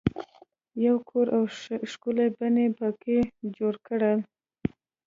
یو کور او ښکلی بڼ یې په کې جوړ کړل.